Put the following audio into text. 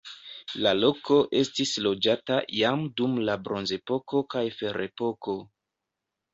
La loko estis loĝata jam dum la bronzepoko kaj ferepoko.